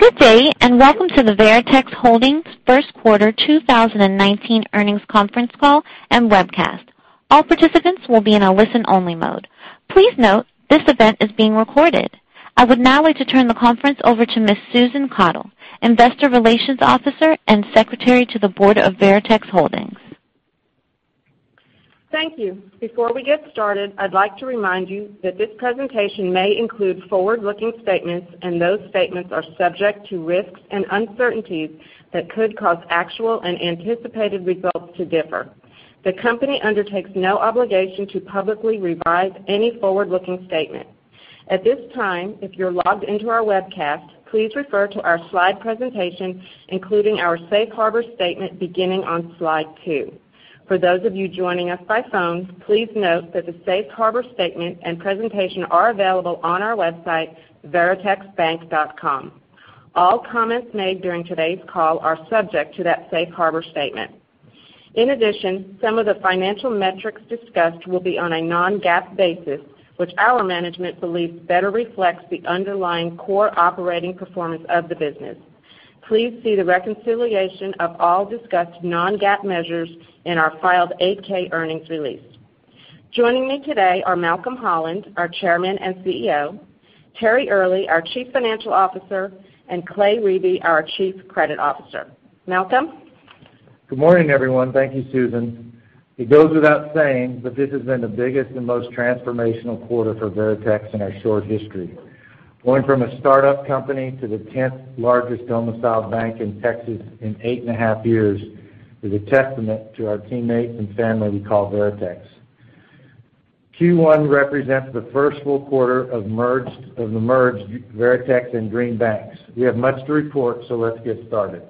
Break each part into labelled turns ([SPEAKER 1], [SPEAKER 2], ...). [SPEAKER 1] Good day. Welcome to the Veritex Holdings first quarter 2019 earnings conference call and webcast. All participants will be in a listen-only mode. Please note, this event is being recorded. I would now like to turn the conference over to Ms. Susan Caudle, Investor Relations Officer and Secretary to the Board of Veritex Holdings.
[SPEAKER 2] Thank you. Before we get started, I'd like to remind you that this presentation may include forward-looking statements. Those statements are subject to risks and uncertainties that could cause actual and anticipated results to differ. The company undertakes no obligation to publicly revise any forward-looking statement. At this time, if you're logged into our webcast, please refer to our slide presentation, including our safe harbor statement, beginning on slide two. For those of you joining us by phone, please note that the safe harbor statement and presentation are available on our website, veritexbank.com. All comments made during today's call are subject to that safe harbor statement. In addition, some of the financial metrics discussed will be on a non-GAAP basis, which our management believes better reflects the underlying core operating performance of the business. Please see the reconciliation of all discussed non-GAAP measures in our filed 8-K earnings release. Joining me today are Malcolm Holland, our Chairman and CEO, Terry Earley, our Chief Financial Officer, and Clay Riebe, our Chief Credit Officer. Malcolm?
[SPEAKER 3] Good morning, everyone. Thank you, Susan Caudle. It goes without saying, this has been the biggest and most transformational quarter for Veritex in our short history. Going from a startup company to the tenth largest domiciled bank in Texas in eight and a half years is a testament to our teammates and family we call Veritex. Q1 represents the first full quarter of the merged Veritex and Green Bank. We have much to report. Let's get started.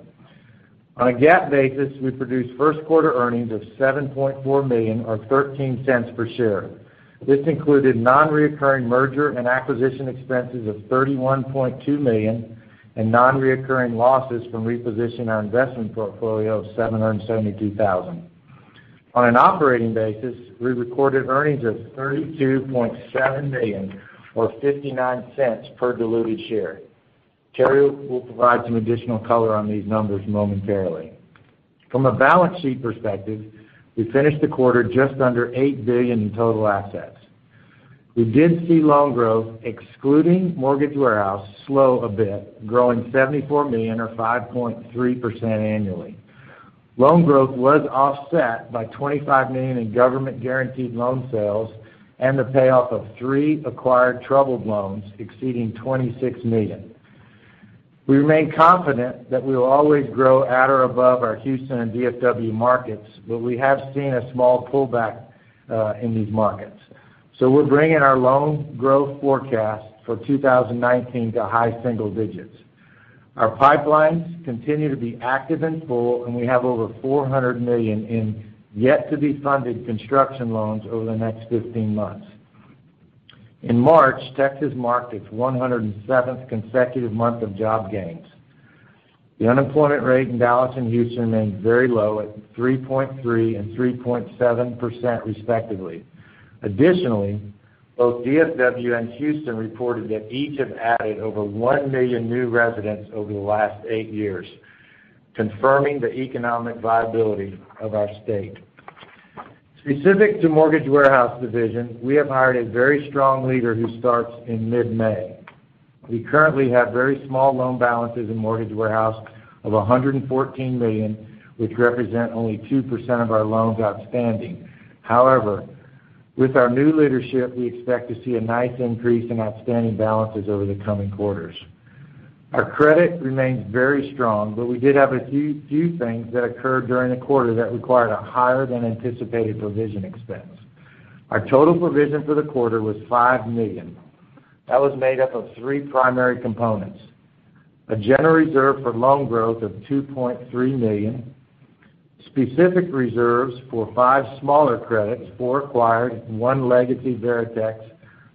[SPEAKER 3] On a GAAP basis, we produced first quarter earnings of $7.4 million or $0.13 per share. This included non-reoccurring merger and acquisition expenses of $31.2 million and non-reoccurring losses from repositioning our investment portfolio of $772,000. On an operating basis, we recorded earnings of $32.7 million or $0.59 per diluted share. Terry will provide some additional color on these numbers momentarily. From a balance sheet perspective, we finished the quarter just under $8 billion in total assets. We did see loan growth, excluding Mortgage Warehouse, slow a bit, growing $74 million or 5.3% annually. Loan growth was offset by $25 million in government-guaranteed loan sales and the payoff of 3 acquired troubled loans exceeding $26 million. We remain confident that we will always grow at or above our Houston and DFW markets, but we have seen a small pullback in these markets. We're bringing our loan growth forecast for 2019 to high single digits. Our pipelines continue to be active and full, and we have over $400 million in yet-to-be-funded construction loans over the next 15 months. In March, Texas marked its 107th consecutive month of job gains. The unemployment rate in Dallas and Houston remains very low at 3.3% and 3.7% respectively. Additionally, both DFW and Houston reported that each have added over 1 million new residents over the last eight years, confirming the economic viability of our state. Specific to Mortgage Warehouse division, we have hired a very strong leader who starts in mid-May. We currently have very small loan balances in Mortgage Warehouse of $114 million, which represent only 2% of our loans outstanding. However, with our new leadership, we expect to see a nice increase in outstanding balances over the coming quarters. Our credit remains very strong, but we did have a few things that occurred during the quarter that required a higher than anticipated provision expense. Our total provision for the quarter was $5 million. That was made up of 3 primary components: a general reserve for loan growth of $2.3 million, specific reserves for 5 smaller credits, 4 acquired, and one legacy Veritex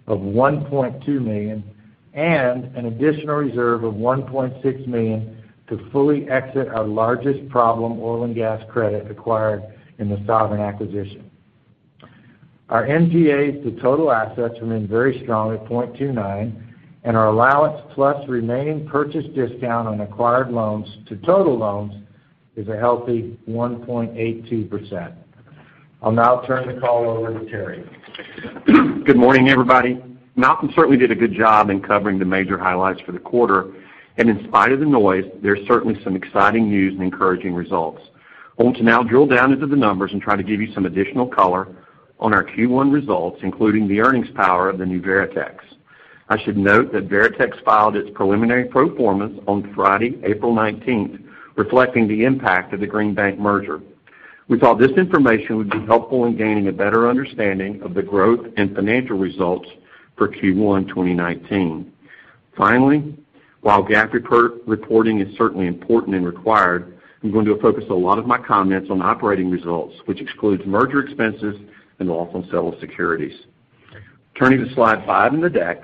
[SPEAKER 3] of $1.2 million, and an additional reserve of $1.6 million to fully exit our largest problem oil and gas credit acquired in the Sovereign acquisition. Our NPAs to total assets remain very strong at 0.29%, and our allowance plus remaining purchase discount on acquired loans to total loans is a healthy 1.82%. I'll now turn the call over to Terry.
[SPEAKER 4] Good morning, everybody. Malcolm certainly did a good job in covering the major highlights for the quarter. In spite of the noise, there's certainly some exciting news and encouraging results. I want to now drill down into the numbers and try to give you some additional color on our Q1 results, including the earnings power of the new Veritex. I should note that Veritex filed its preliminary pro forma on Friday, April 19th, reflecting the impact of the Green Bank merger. We thought this information would be helpful in gaining a better understanding of the growth and financial results for Q1 2019. Finally, while GAAP reporting is certainly important and required, I'm going to focus a lot of my comments on operating results, which excludes merger expenses and loss on sale of securities. Turning to slide five in the deck.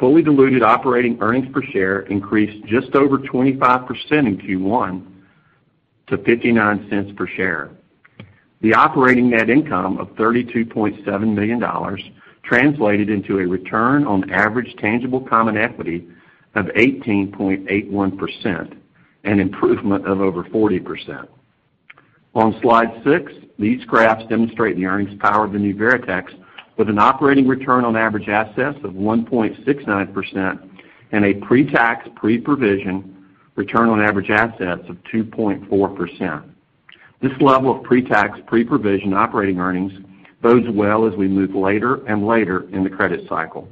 [SPEAKER 4] Fully diluted operating earnings per share increased just over 25% in Q1. To $0.59 per share. The operating net income of $32.7 million translated into a return on average tangible common equity of 18.81%, an improvement of over 40%. On Slide 6, these graphs demonstrate the earnings power of the new Veritex with an operating return on average assets of 1.69% and a pre-tax, pre-provision return on average assets of 2.4%. This level of pre-tax, pre-provision operating earnings bodes well as we move later and later in the credit cycle.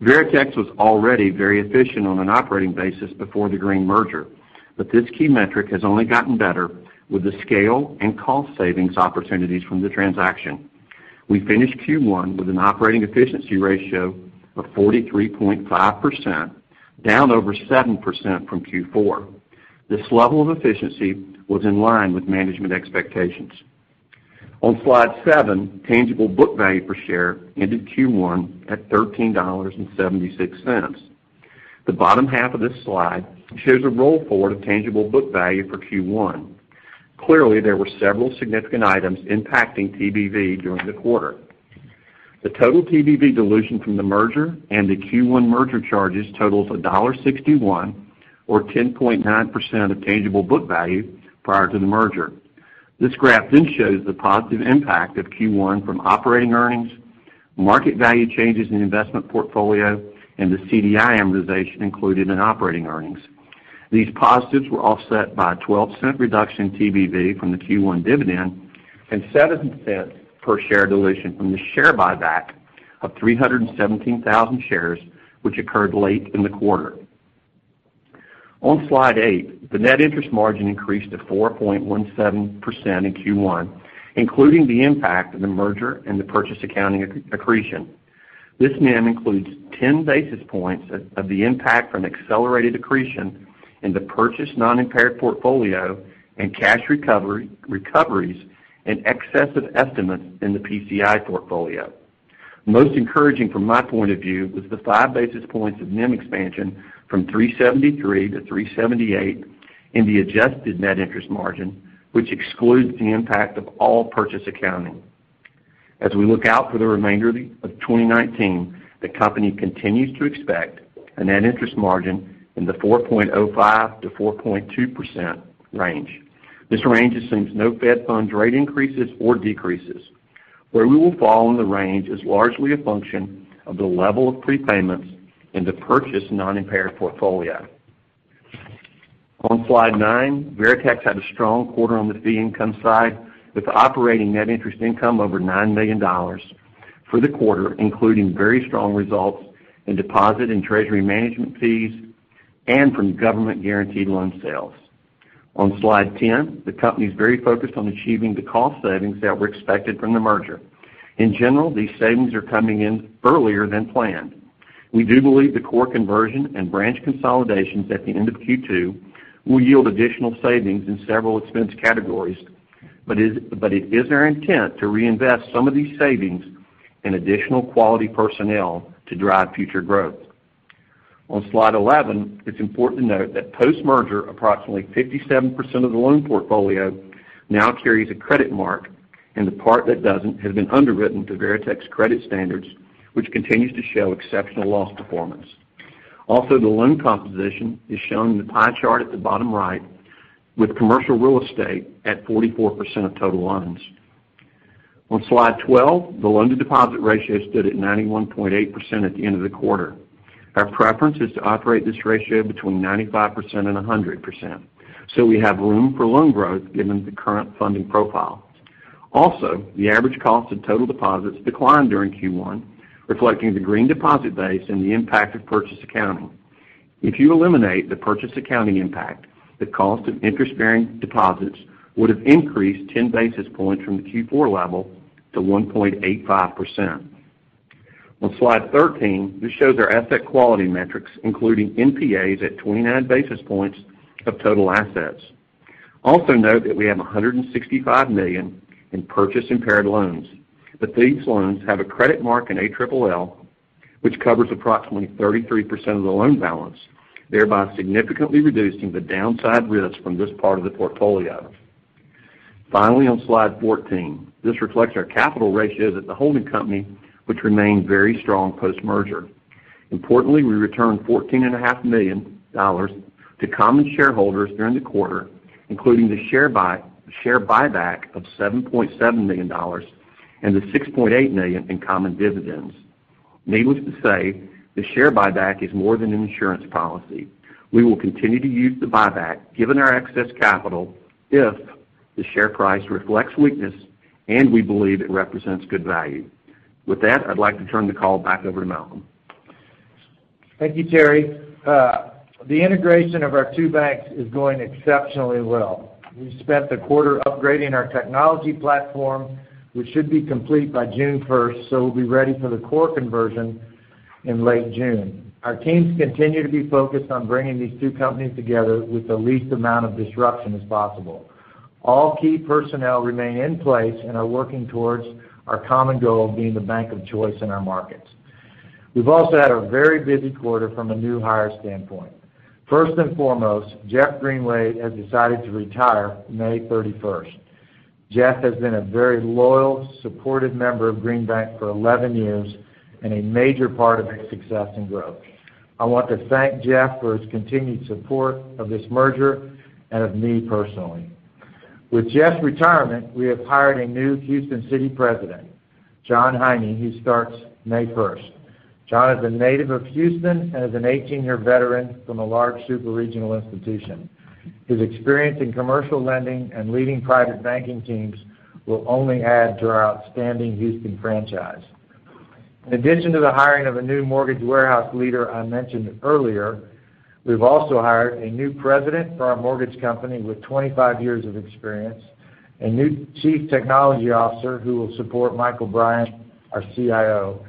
[SPEAKER 4] Veritex was already very efficient on an operating basis before the Green merger, but this key metric has only gotten better with the scale and cost savings opportunities from the transaction. We finished Q1 with an operating efficiency ratio of 43.5%, down over 7% from Q4. This level of efficiency was in line with management expectations. On Slide 7, tangible book value per share ended Q1 at $13.76. The bottom half of this slide shows a roll forward of tangible book value for Q1. Clearly, there were several significant items impacting TBV during the quarter. The total TBV dilution from the merger and the Q1 merger charges totals $1.61 or 10.9% of tangible book value prior to the merger. This graph then shows the positive impact of Q1 from operating earnings, market value changes in investment portfolio, and the CDI amortization included in operating earnings. These positives were offset by a $0.12 reduction in TBV from the Q1 dividend and $0.07 per share dilution from the share buyback of 317,000 shares, which occurred late in the quarter. On Slide 8, the net interest margin increased to 4.17% in Q1, including the impact of the merger and the purchase accounting accretion. This NIM includes 10 basis points of the impact from accelerated accretion in the purchase non-impaired portfolio and cash recoveries in excess of estimates in the PCI portfolio. Most encouraging from my point of view was the 5 basis points of NIM expansion from 373 to 378 in the adjusted net interest margin, which excludes the impact of all purchase accounting. As we look out for the remainder of 2019, the company continues to expect a net interest margin in the 4.05%-4.2% range. This range assumes no Fed funds rate increases or decreases. Where we will fall in the range is largely a function of the level of prepayments in the purchase non-impaired portfolio. On Slide 9, Veritex had a strong quarter on the fee income side with operating non-interest income over $9 million for the quarter, including very strong results in deposit and treasury management fees and from government guaranteed loan sales. On Slide 10, the company is very focused on achieving the cost savings that were expected from the merger. In general, these savings are coming in earlier than planned. We do believe the core conversion and branch consolidations at the end of Q2 will yield additional savings in several expense categories, but it is our intent to reinvest some of these savings in additional quality personnel to drive future growth. On Slide 11, it's important to note that post-merger, approximately 57% of the loan portfolio now carries a credit mark, and the part that doesn't has been underwritten to Veritex credit standards, which continues to show exceptional loss performance. The loan composition is shown in the pie chart at the bottom right, with commercial real estate at 44% of total loans. On Slide 12, the loan-to-deposit ratio stood at 91.8% at the end of the quarter. Our preference is to operate this ratio between 95% and 100%, so we have room for loan growth given the current funding profile. The average cost of total deposits declined during Q1, reflecting the Green deposit base and the impact of purchase accounting. If you eliminate the purchase accounting impact, the cost of interest-bearing deposits would have increased 10 basis points from the Q4 level to 1.85%. On Slide 13, this shows our asset quality metrics, including NPAs at 29 basis points of total assets. Note that we have $165 million in purchase-impaired loans, but these loans have a credit mark in ALL, which covers approximately 33% of the loan balance, thereby significantly reducing the downside risks from this part of the portfolio. Finally, on Slide 14, this reflects our capital ratios at the holding company, which remain very strong post-merger. Importantly, we returned $14.5 million to common shareholders during the quarter, including the share buyback of $7.7 million and the $6.8 million in common dividends. Needless to say, the share buyback is more than an insurance policy. We will continue to use the buyback given our excess capital if the share price reflects weakness and we believe it represents good value. With that, I'd like to turn the call back over to Malcolm.
[SPEAKER 3] Thank you, Terry. The integration of our two banks is going exceptionally well. We spent the quarter upgrading our technology platform, which should be complete by June 1st, so we'll be ready for the core conversion in late June. Our teams continue to be focused on bringing these two companies together with the least amount of disruption as possible. All key personnel remain in place and are working towards our common goal of being the bank of choice in our markets. We've also had a very busy quarter from a new hire standpoint. First and foremost, Jeff Kesler has decided to retire May 31st. Jeff has been a very loyal, supportive member of Green Bank for 11 years and a major part of its success and growth. I want to thank Jeff for his continued support of this merger and of me personally. With Jeff's retirement, we have hired a new Houston City President, Jon Heine, who starts May 1st. Jon is a native of Houston and is an 18-year veteran from a large super regional institution. His experience in commercial lending and leading private banking teams will only add to our outstanding Houston franchise. In addition to the hiring of a new Mortgage Warehouse leader I mentioned earlier, we've also hired a new president for our mortgage company with 25 years of experience, a new chief technology officer who will support Michael Bryant, our CIO,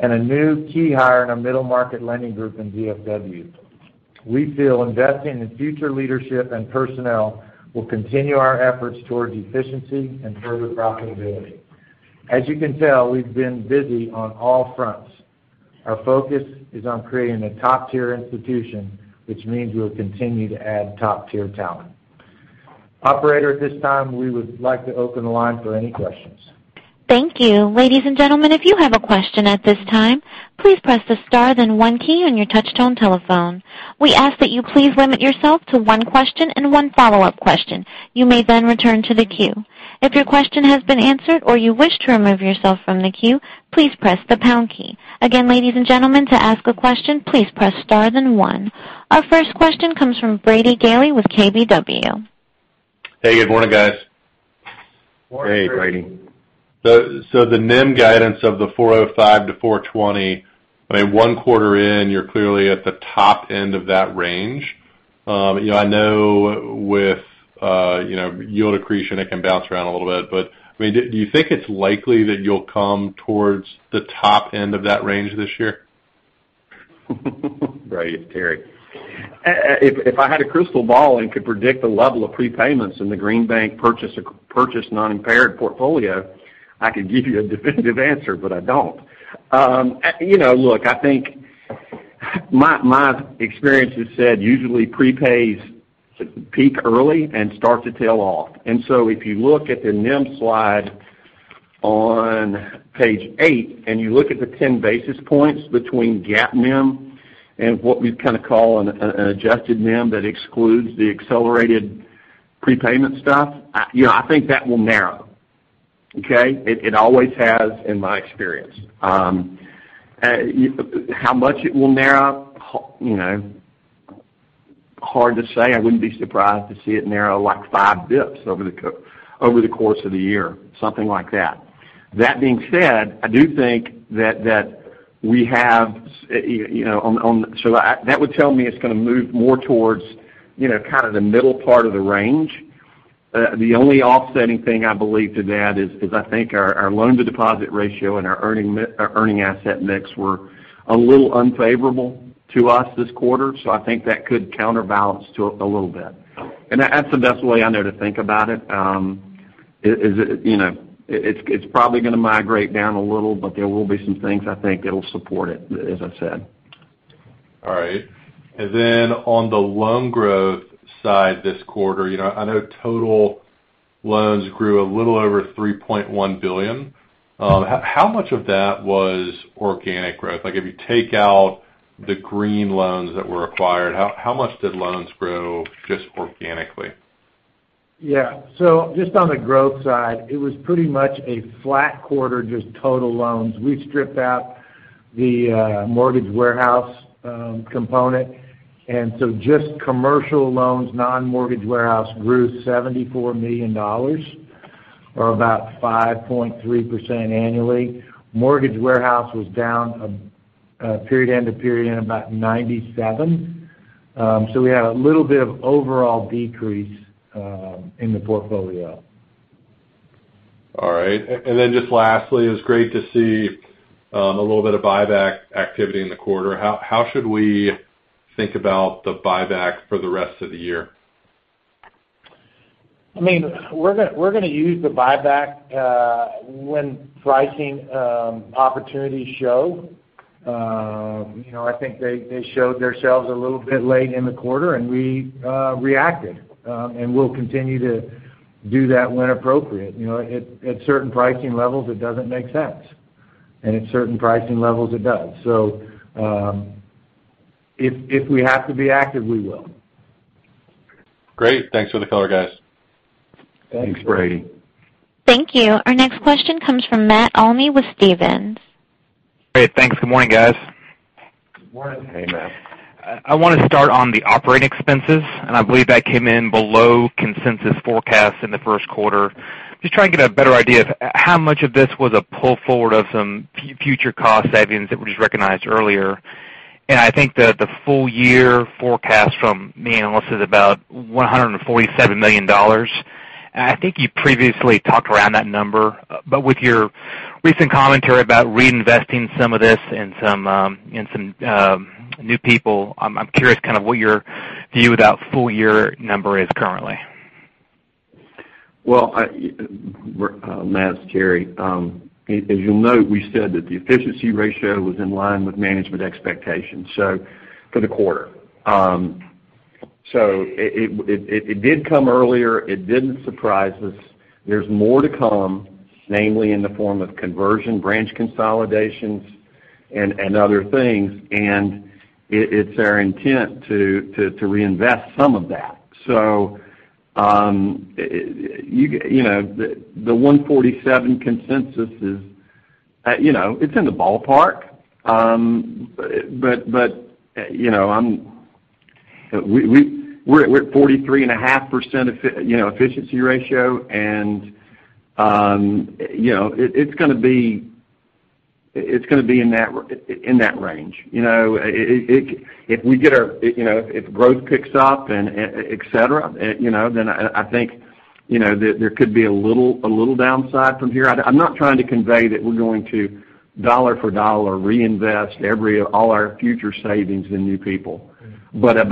[SPEAKER 3] and a new key hire in our middle market lending group in DFW. We feel investing in future leadership and personnel will continue our efforts towards efficiency and further profitability. As you can tell, we've been busy on all fronts. Our focus is on creating a top-tier institution, which means we'll continue to add top-tier talent. Operator, at this time we would like to open the line for any questions.
[SPEAKER 1] Thank you. Ladies and gentlemen, if you have a question at this time, please press the star then one key on your touch-tone telephone. We ask that you please limit yourself to one question and one follow-up question. You may then return to the queue. If your question has been answered or you wish to remove yourself from the queue, please press the pound key. Again, ladies and gentlemen, to ask a question, please press star then one. Our first question comes from Brady Gailey with KBW.
[SPEAKER 5] Hey, good morning, guys.
[SPEAKER 3] Hey, Brady.
[SPEAKER 5] The NIM guidance of the 405 to 420, by one quarter in, you're clearly at the top end of that range. I know with yield accretion, it can bounce around a little bit, but do you think it's likely that you'll come towards the top end of that range this year?
[SPEAKER 4] Brady, it's Terry. If I had a crystal ball and could predict the level of prepayments in the Green Bank purchase non-impaired portfolio, I could give you a definitive answer, but I don't. Look, I think my experience has said usually prepays peak early and start to tail off. If you look at the NIM slide on page eight, and you look at the 10 basis points between GAAP NIM and what we've kind of call an adjusted NIM that excludes the accelerated prepayment stuff, I think that will narrow. Okay? It always has in my experience. How much it will narrow, hard to say. I wouldn't be surprised to see it narrow like five basis points over the course of the year, something like that. That being said, I do think that would tell me it's going to move more towards kind of the middle part of the range. The only offsetting thing I believe to that is I think our loan-to-deposit ratio and our earning asset mix were a little unfavorable to us this quarter. I think that could counterbalance to a little bit. That's the best way I know to think about it. It's probably going to migrate down a little, but there will be some things I think that'll support it, as I said.
[SPEAKER 5] All right. On the loan growth side this quarter, I know total loans grew a little over $3.1 billion. How much of that was organic growth? If you take out the Green loans that were acquired, how much did loans grow just organically?
[SPEAKER 4] Yeah. Just on the growth side, it was pretty much a flat quarter, just total loans. We stripped out the Mortgage Warehouse component. Just commercial loans, non-Mortgage Warehouse grew $74 million, or about 5.3% annually. Mortgage Warehouse was down period end to period end about $97. We had a little bit of overall decrease in the portfolio.
[SPEAKER 5] All right. Just lastly, it was great to see a little bit of buyback activity in the quarter. How should we think about the buyback for the rest of the year?
[SPEAKER 4] We're going to use the buyback when pricing opportunities show. I think they showed themselves a little bit late in the quarter, and we reacted. We'll continue to do that when appropriate. At certain pricing levels, it doesn't make sense, and at certain pricing levels it does. If we have to be active, we will.
[SPEAKER 5] Great. Thanks for the color, guys.
[SPEAKER 3] Thanks, Brady.
[SPEAKER 1] Thank you. Our next question comes from Matt Olney with Stephens.
[SPEAKER 6] Great. Thanks. Good morning, guys.
[SPEAKER 4] Good morning. Hey, Matt.
[SPEAKER 6] I want to start on the operating expenses, I believe that came in below consensus forecasts in the first quarter. Just trying to get a better idea of how much of this was a pull forward of some future cost savings that were just recognized earlier. I think that the full year forecast from my analyst is about $147 million. I think you previously talked around that number, but with your recent commentary about reinvesting some of this in some new people, I'm curious kind of what your view of that full year number is currently.
[SPEAKER 4] Well, Matt, it's Terry. As you'll note, we said that the efficiency ratio was in line with management expectations for the quarter. It did come earlier. It didn't surprise us. There's more to come, namely in the form of conversion branch consolidations and other things. It's our intent to reinvest some of that. The $147 consensus, it's in the ballpark. We're at 43.5% efficiency ratio, and it's going to be in that range. If growth picks up, et cetera, I think there could be a little downside from here. I'm not trying to convey that we're going to dollar for dollar reinvest all our future savings in new people. I did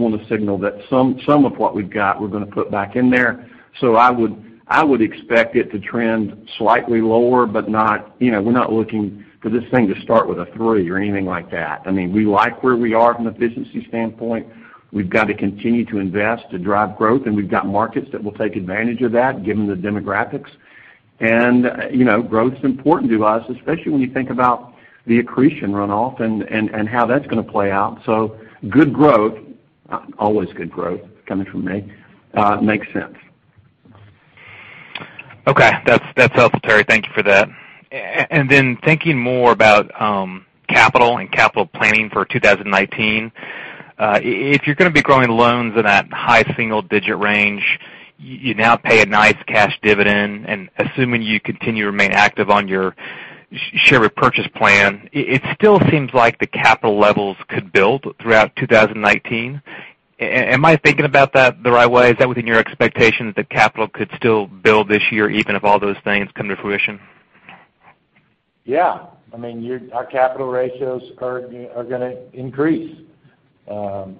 [SPEAKER 4] want to signal that some of what we've got, we're going to put back in there. I would expect it to trend slightly lower, but we're not looking for this thing to start with a three or anything like that. We like where we are from an efficiency standpoint. We've got to continue to invest to drive growth, and we've got markets that will take advantage of that, given the demographics. Growth's important to us, especially when you think about the accretion runoff and how that's going to play out. Good growth, always good growth coming from me, makes sense.
[SPEAKER 6] Okay. That's helpful, Terry. Thank you for that. Thinking more about capital and capital planning for 2019, if you're going to be growing loans in that high single-digit range, you now pay a nice cash dividend, assuming you continue to remain active on your share repurchase plan, it still seems like the capital levels could build throughout 2019. Am I thinking about that the right way? Is that within your expectation that the capital could still build this year, even if all those things come to fruition?
[SPEAKER 4] Yeah. Our capital ratios are going to increase. Yeah,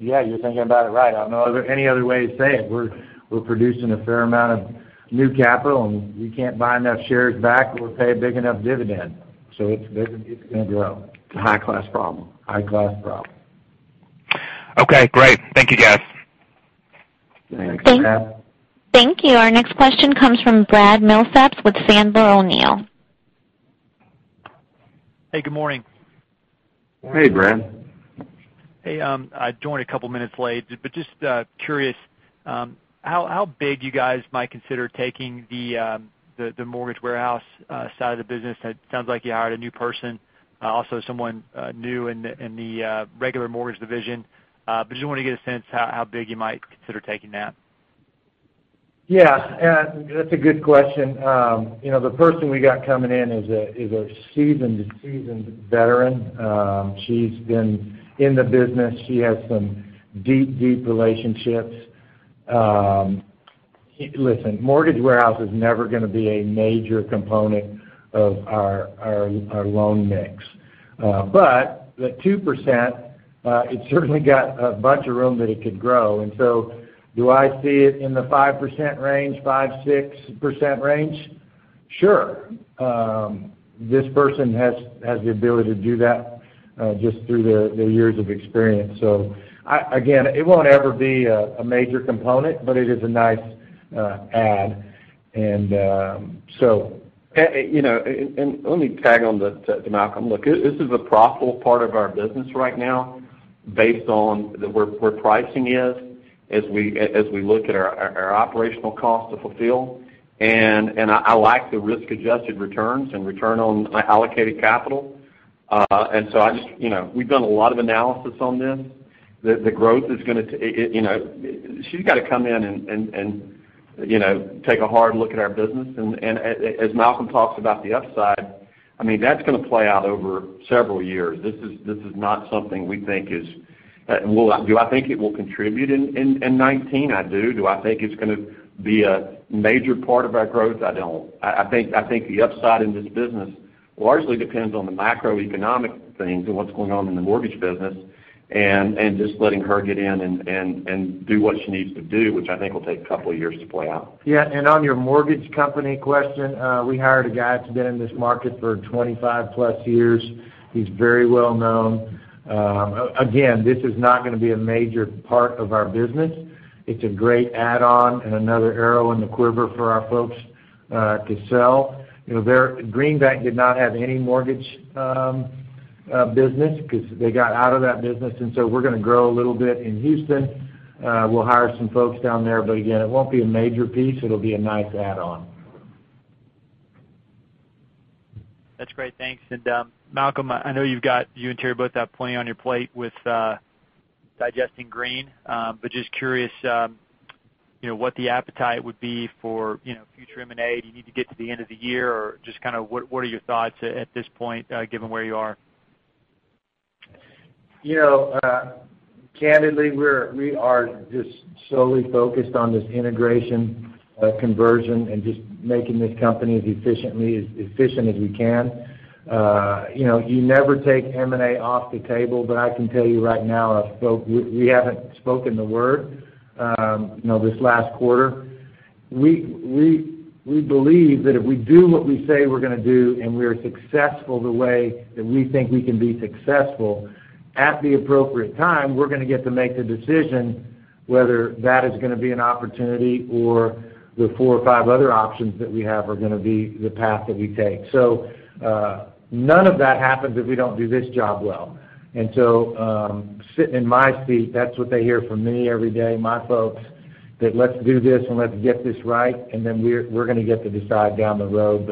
[SPEAKER 4] you're thinking about it right. I don't know any other way to say it. We're producing a fair amount of new capital, we can't buy enough shares back, pay a big enough dividend. It's going to grow. It's a high-class problem.
[SPEAKER 3] High-class problem.
[SPEAKER 6] Okay, great. Thank you, guys.
[SPEAKER 3] Thanks, Matt.
[SPEAKER 1] Thank you. Our next question comes from Brad Milsaps with Sandler O'Neill.
[SPEAKER 7] Hey, good morning.
[SPEAKER 3] Hey, Brad.
[SPEAKER 7] Hey, I joined a couple of minutes late. Just curious, how big you guys might consider taking the Mortgage Warehouse side of the business? It sounds like you hired a new person, also someone new in the regular mortgage division. Just want to get a sense how big you might consider taking that.
[SPEAKER 3] Yeah. That's a good question. The person we got coming in is a seasoned veteran. She's been in the business. She has some deep relationships. Listen, Mortgage Warehouse is never going to be a major component of our loan mix. The 2%, it's certainly got a bunch of room that it could grow. Do I see it in the 5% range, 5%-6% range? Sure. This person has the ability to do that just through their years of experience. Again, it won't ever be a major component, but it is a nice add.
[SPEAKER 4] Let me tag on to Malcolm. Look, this is a profitable part of our business right now based on where pricing is as we look at our operational cost to fulfill. I like the risk-adjusted returns and return on allocated capital. We've done a lot of analysis on this. She's got to come in and take a hard look at our business. As Malcolm talks about the upside, that's going to play out over several years. Do I think it will contribute in 2019? I do. Do I think it's going to be a major part of our growth? I don't. I think the upside in this business largely depends on the macroeconomic things and what's going on in the Mortgage Warehouse business, and just letting her get in and do what she needs to do, which I think will take a couple of years to play out.
[SPEAKER 3] Yeah. On your mortgage company question, we hired a guy that's been in this market for 25 plus years. He's very well known. Again, this is not going to be a major part of our business. It's a great add-on and another arrow in the quiver for our folks to sell. Green Bank did not have any mortgage business because they got out of that business. We're going to grow a little bit in Houston. We'll hire some folks down there. Again, it won't be a major piece. It'll be a nice add-on.
[SPEAKER 7] That's great. Thanks. Malcolm, I know you and Terry both have plenty on your plate with digesting Green. Just curious what the appetite would be for future M&A. Do you need to get to the end of the year, or just what are your thoughts at this point given where you are?
[SPEAKER 3] Candidly, we are just solely focused on this integration conversion and just making this company as efficient as we can. You never take M&A off the table, but I can tell you right now, we haven't spoken the word this last quarter. We believe that if we do what we say we're going to do, and we're successful the way that we think we can be successful, at the appropriate time, we're going to get to make the decision whether that is going to be an opportunity or the four or five other options that we have are going to be the path that we take. None of that happens if we don't do this job well. Sitting in my seat, that's what they hear from me every day, my folks, that let's do this and let's get this right, and then we're going to get to decide down the road.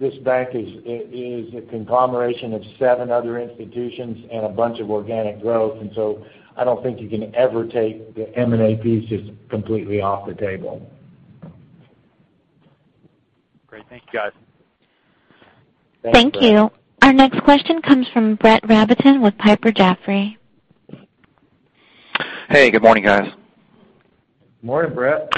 [SPEAKER 3] This bank is a conglomeration of seven other institutions and a bunch of organic growth, I don't think you can ever take the M&A piece just completely off the table.
[SPEAKER 7] Great. Thank you, guys.
[SPEAKER 1] Thank you. Our next question comes from Brett Rabatin with Piper Jaffray.
[SPEAKER 8] Hey, good morning, guys.
[SPEAKER 4] Morning, Brett.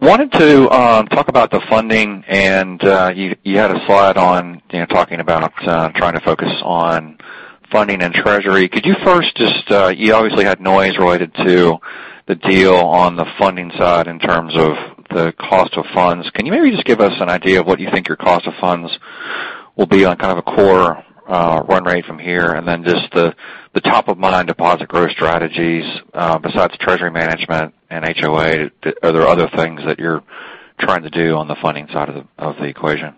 [SPEAKER 8] Wanted to talk about the funding. You had a slide on talking about trying to focus on funding and treasury. You obviously had noise related to the deal on the funding side in terms of the cost of funds. Can you maybe just give us an idea of what you think your cost of funds will be on kind of a core run rate from here? Then just the top-of-mind deposit growth strategies, besides treasury management and HOA, are there other things that you're trying to do on the funding side of the equation?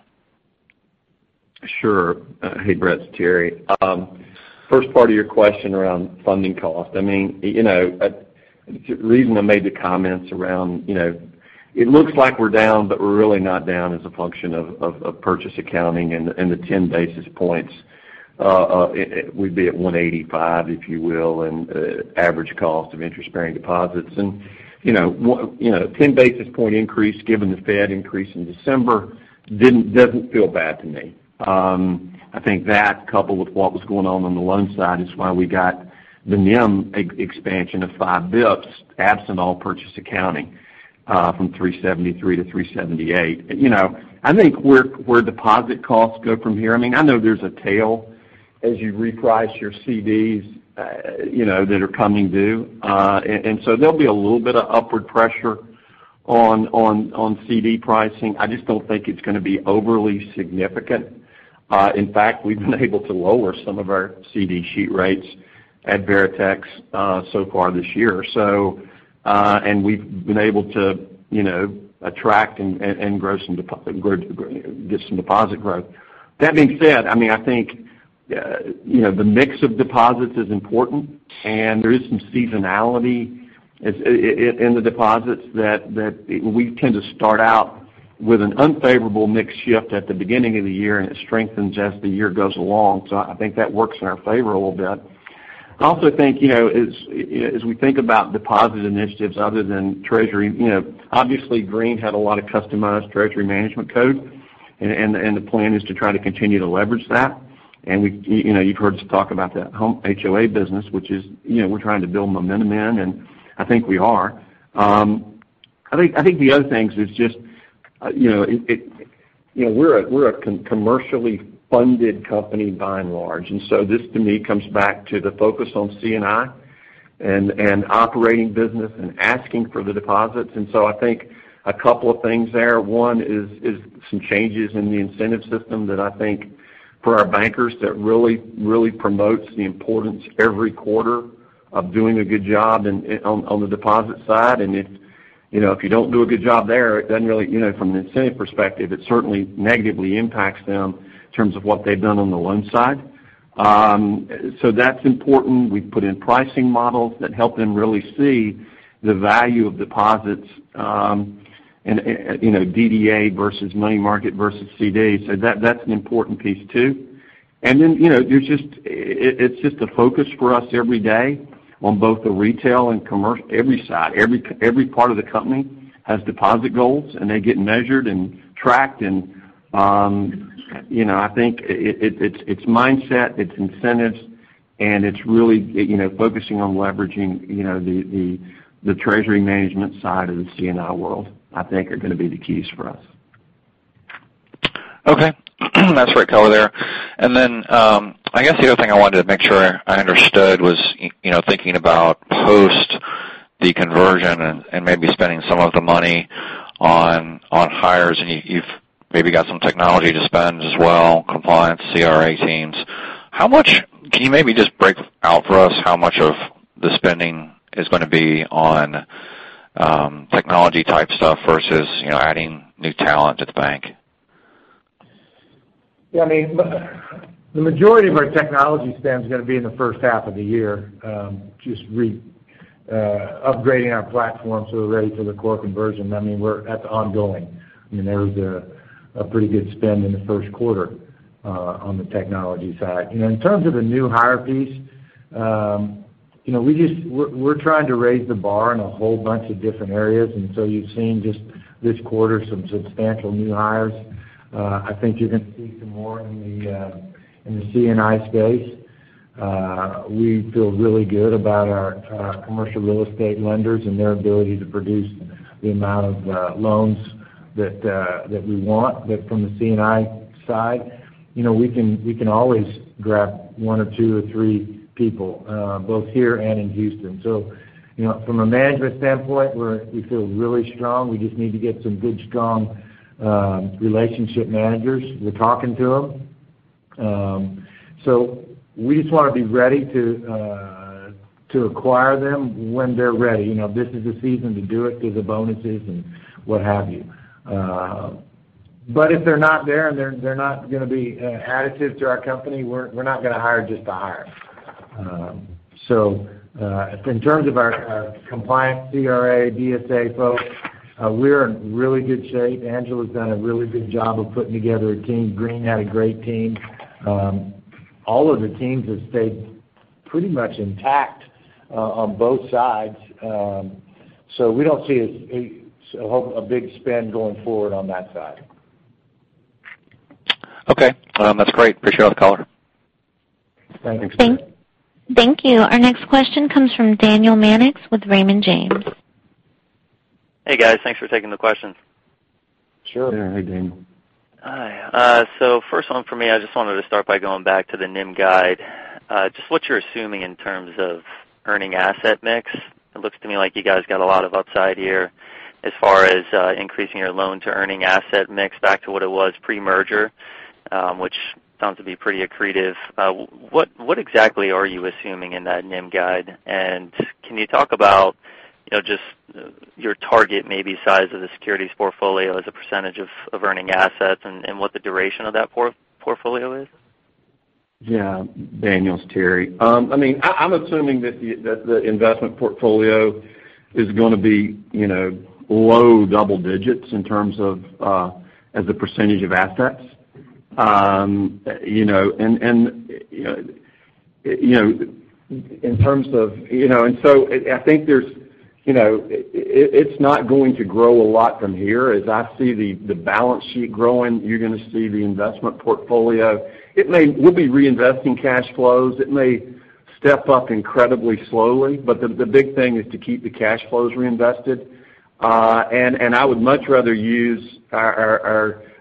[SPEAKER 4] Sure. Hey, Brett. It's Terry. First part of your question around funding cost. The reason I made the comments around, it looks like we're down, but we're really not down as a function of purchase accounting and the 10 basis points. We'd be at 185, if you will, average cost of interest-bearing deposits. 10 basis point increase given the Fed increase in December doesn't feel bad to me. I think that coupled with what was going on the loan side is why we got the NIM expansion of five basis points, absent all purchase accounting, from 373 to 378. I think where deposit costs go from here, I know there's a tail as you reprice your CDs, that are coming due. So there'll be a little bit of upward pressure on CD pricing. I just don't think it's going to be overly significant. We've been able to lower some of our CD sheet rates at Veritex so far this year. We've been able to attract and get some deposit growth. That being said, I think the mix of deposits is important, and there is some seasonality in the deposits that we tend to start out with an unfavorable mix shift at the beginning of the year, and it strengthens as the year goes along. I think that works in our favor a little bit. I also think, as we think about deposit initiatives other than treasury, obviously Green had a lot of customized treasury management code, and the plan is to try to continue to leverage that. You've heard us talk about that home HOA business, which is we're trying to build momentum in, and I think we are. I think the other things is just, we're a commercially funded company by and large. This to me comes back to the focus on C&I and operating business and asking for the deposits. I think a couple of things there. One is some changes in the incentive system that I think for our bankers that really promotes the importance every quarter of doing a good job on the deposit side. If you don't do a good job there, from an incentive perspective, it certainly negatively impacts them in terms of what they've done on the loan side. That's important. We've put in pricing models that help them really see the value of deposits, DDA versus money market versus CD. That's an important piece, too. It's just a focus for us every day on both the retail and commercial, every side, every part of the company has deposit goals, and they get measured and tracked. I think it's mindset, it's incentives, and it's really focusing on leveraging the treasury management side of the C&I world, I think are going to be the keys for us.
[SPEAKER 8] Okay. That's great color there. I guess the other thing I wanted to make sure I understood was thinking about post the conversion and maybe spending some of the money on hires, and you've maybe got some technology to spend as well, compliance, CRA teams. Can you maybe just break out for us how much of the spending is going to be on technology type stuff versus adding new talent to the bank?
[SPEAKER 4] The majority of our technology spend is going to be in the first half of the year, just upgrading our platform so we're ready for the core conversion. That's ongoing. There was a pretty good spend in the first quarter on the technology side. In terms of the new hire piece, we're trying to raise the bar in a whole bunch of different areas. You've seen just this quarter some substantial new hires. I think you're going to see some more in the C&I space.
[SPEAKER 3] We feel really good about our commercial real estate lenders and their ability to produce the amount of loans that we want from the C&I side. We can always grab one or two or three people, both here and in Houston. From a management standpoint, we feel really strong. We just need to get some good, strong relationship managers. We're talking to them. We just want to be ready to acquire them when they're ready. This is the season to do it because of bonuses and what have you. If they're not there and they're not going to be an additive to our company, we're not going to hire just to hire. In terms of our compliance, CRA, BSA folks, we're in really good shape. Angela's done a really good job of putting together a team. Green had a great team. All of the teams have stayed pretty much intact on both sides. We don't see a big spend going forward on that side.
[SPEAKER 8] Okay. That's great. Appreciate the call.
[SPEAKER 3] Thanks.
[SPEAKER 1] Thank you. Our next question comes from Daniel Mannix with Raymond James.
[SPEAKER 9] Hey, guys. Thanks for taking the questions.
[SPEAKER 3] Sure.
[SPEAKER 4] Yeah. Hey, Daniel.
[SPEAKER 9] Hi. First one for me, I just wanted to start by going back to the NIM guide. Just what you're assuming in terms of earning asset mix. It looks to me like you guys got a lot of upside here as far as increasing your loan to earning asset mix back to what it was pre-merger, which sounds to be pretty accretive. What exactly are you assuming in that NIM guide? Can you talk about just your target, maybe size of the securities portfolio as a % of earning assets and what the duration of that portfolio is?
[SPEAKER 4] Yeah. Daniel, it's Terry. I'm assuming that the investment portfolio is going to be low double digits in terms of, as a percentage of assets. I think it's not going to grow a lot from here. As I see the balance sheet growing, you're going to see the investment portfolio. We'll be reinvesting cash flows. It may step up incredibly slowly, but the big thing is to keep the cash flows reinvested. I would much rather use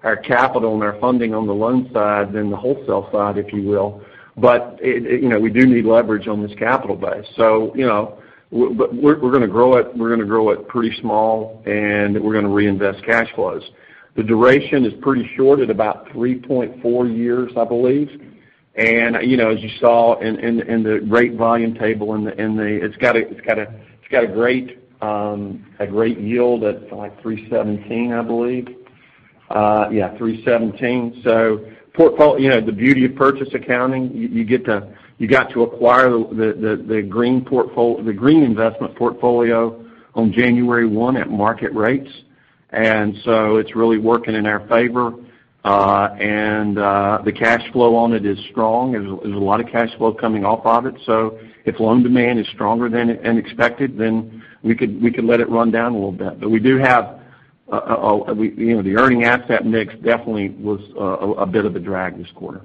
[SPEAKER 4] our capital and our funding on the loan side than the wholesale side, if you will. We do need leverage on this capital base. We're going to grow it pretty small, and we're going to reinvest cash flows. The duration is pretty short, at about 3.4 years, I believe. As you saw in the rate volume table, it's got a great yield at 317, I believe. Yeah, 317. The beauty of purchase accounting, you got to acquire the Green investment portfolio on January 1 at market rates. It's really working in our favor. The cash flow on it is strong. There's a lot of cash flow coming off of it. If loan demand is stronger than expected, then we could let it run down a little bit. The earning asset mix definitely was a bit of a drag this quarter.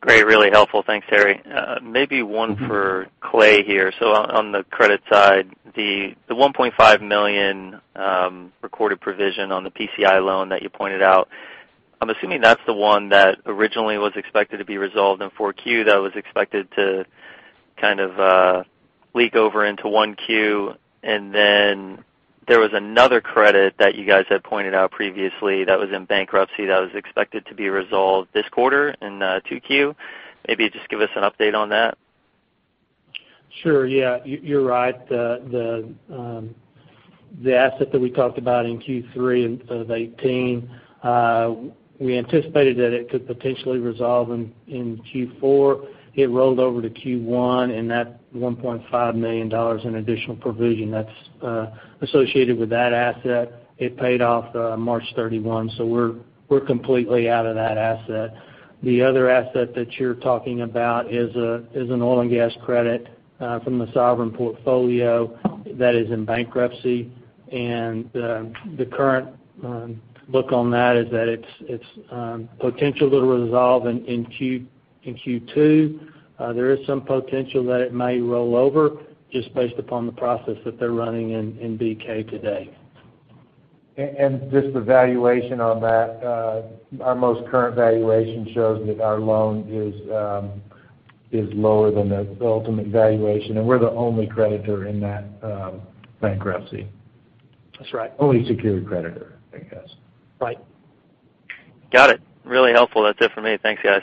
[SPEAKER 9] Great. Really helpful. Thanks, Terry. Maybe one for Clay here. On the credit side, the $1.5 million recorded provision on the PCI loan that you pointed out, I'm assuming that's the one that originally was expected to be resolved in 4Q, that was expected to kind of leak over into 1Q. There was another credit that you guys had pointed out previously that was in bankruptcy that was expected to be resolved this quarter in 2Q. Maybe just give us an update on that.
[SPEAKER 10] Sure. Yeah, you're right. The asset that we talked about in Q3 of 2018, we anticipated that it could potentially resolve in Q4. It rolled over to Q1, and that $1.5 million in additional provision, that's associated with that asset. It paid off March 31. We're completely out of that asset. The other asset that you're talking about is an oil and gas credit from the Sovereign portfolio that is in bankruptcy. The current look on that is that it's potential to resolve in Q2. There is some potential that it may roll over just based upon the process that they're running in BK today.
[SPEAKER 3] Our most current valuation shows that our loan is lower than the ultimate valuation, and we're the only creditor in that bankruptcy.
[SPEAKER 10] That's right.
[SPEAKER 3] Only secured creditor, I guess.
[SPEAKER 10] Right.
[SPEAKER 9] Got it. Really helpful. That's it for me. Thanks, guys.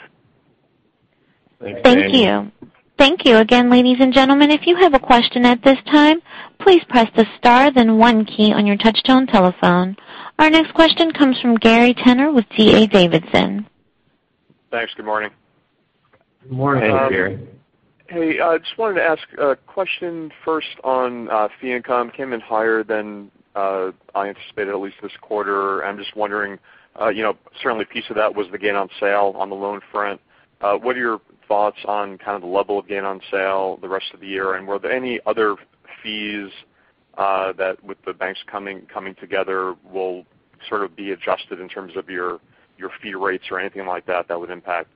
[SPEAKER 4] Thanks, Daniel.
[SPEAKER 1] Thank you. Thank you again, ladies and gentlemen. If you have a question at this time, please press the star then one key on your touchtone telephone. Our next question comes from Gary Tenner with D.A. Davidson.
[SPEAKER 11] Thanks. Good morning.
[SPEAKER 3] Good morning.
[SPEAKER 4] Hey, Gary.
[SPEAKER 11] Hey, I just wanted to ask a question first on fee income. Came in higher than I anticipated, at least this quarter. I'm just wondering, certainly a piece of that was the gain on sale on the loan front. What are your thoughts on kind of the level of gain on sale the rest of the year? Were there any other fees that with the banks coming together will sort of be adjusted in terms of your fee rates or anything like that would impact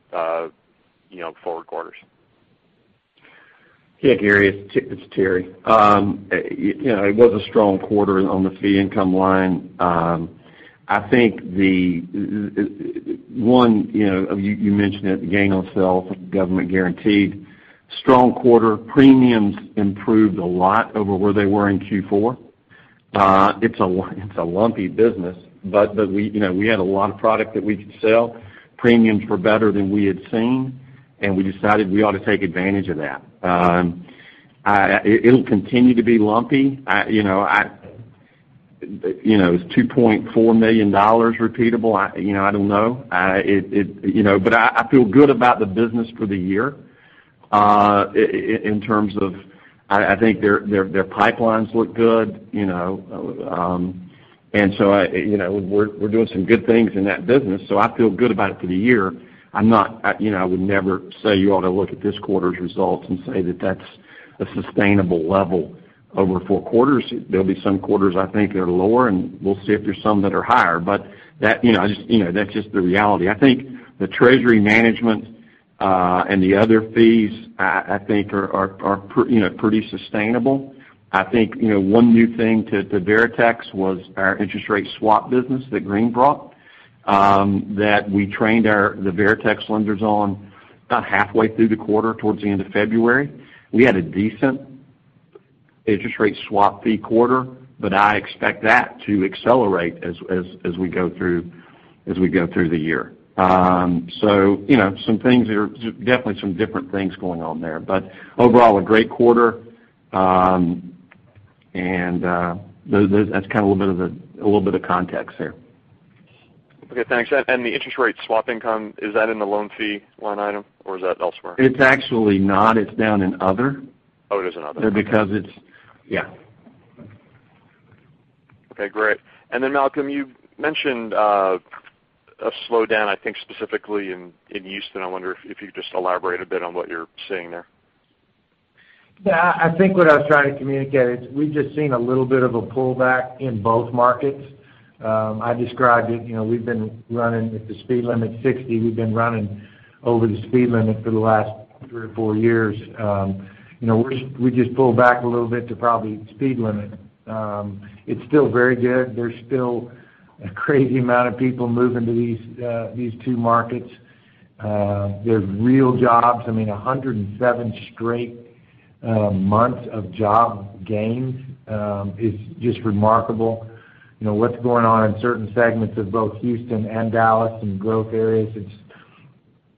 [SPEAKER 11] forward quarters.
[SPEAKER 4] Yeah, Gary, it's Terry. It was a strong quarter on the fee income line. I think the-- One, you mentioned it, the gain on sale from government guaranteed. Strong quarter. Premiums improved a lot over where they were in Q4. It's a lumpy business, but we had a lot of product that we could sell. Premiums were better than we had seen, we decided we ought to take advantage of that. It'll continue to be lumpy. Is $2.4 million repeatable? I don't know. I feel good about the business for the year, in terms of, I think their pipelines look good. We're doing some good things in that business, I feel good about it for the year. I would never say you ought to look at this quarter's results and say that that's a sustainable level over four quarters. There'll be some quarters, I think, that are lower, we'll see if there's some that are higher. That's just the reality. I think the treasury management, and the other fees, I think are pretty sustainable. I think, one new thing to Veritex was our interest rate swap business that Green brought, that we trained the Veritex lenders on about halfway through the quarter, towards the end of February. We had a decent interest rate swap fee quarter, I expect that to accelerate as we go through the year. Some things are-- definitely some different things going on there. Overall, a great quarter, that's kind of a little bit of context there.
[SPEAKER 11] Okay, thanks. The interest rate swap income, is that in the loan fee line item, or is that elsewhere?
[SPEAKER 4] It's actually not. It's down in other.
[SPEAKER 11] Oh, it is in other.
[SPEAKER 4] Because it's Yeah.
[SPEAKER 11] Okay, great. Malcolm, you mentioned a slowdown, I think, specifically in Houston. I wonder if you could just elaborate a bit on what you're seeing there.
[SPEAKER 3] I think what I was trying to communicate is we've just seen a little bit of a pullback in both markets. I described it, we've been running at the speed limit 60. We've been running over the speed limit for the last three or four years. We just pulled back a little bit to probably speed limit. It's still very good. There's still a crazy amount of people moving to these two markets. There's real jobs. I mean, 107 straight months of job gains, is just remarkable. What's going on in certain segments of both Houston and Dallas in growth areas,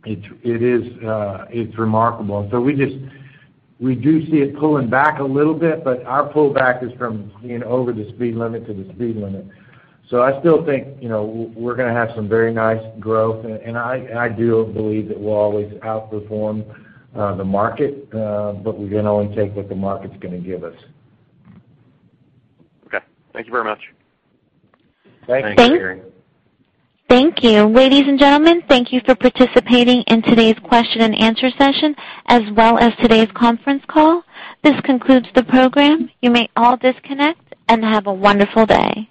[SPEAKER 3] it's remarkable. We do see it pulling back a little bit, but our pullback is from being over the speed limit to the speed limit. I still think, we're going to have some very nice growth, and I do believe that we'll always outperform the market, but we can only take what the market's going to give us.
[SPEAKER 11] Okay. Thank you very much.
[SPEAKER 3] Thanks.
[SPEAKER 4] Thanks, Gary.
[SPEAKER 1] Thank you. Ladies and gentlemen, thank you for participating in today's question and answer session, as well as today's conference call. This concludes the program. You may all disconnect, and have a wonderful day.